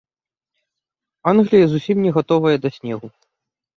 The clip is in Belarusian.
Англія зусім не гатовая да снегу.